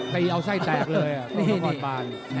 ตีเอาไส้แตกเลยคลุงละครบาน